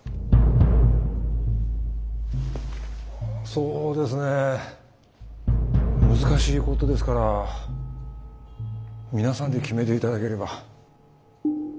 そうですね難しいことですから皆さんで決めていただければ。